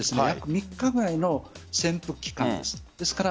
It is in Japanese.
約３日ぐらいの潜伏期間です。